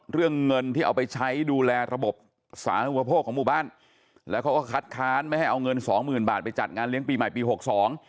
เรื่องเงินที่เอาไปใช้ดูแลระบบสาธารณุปโภคของหมู่บ้านแล้วเขาก็คัดค้านไม่ให้เอาเงินสองหมื่นบาทไปจัดงานเลี้ยงปีใหม่ปีหกสอง